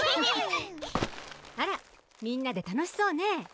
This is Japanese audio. あらみんなで楽しそうね